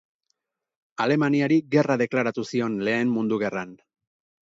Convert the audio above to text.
Alemaniari gerra deklaratu zion Lehen Mundu Gerran.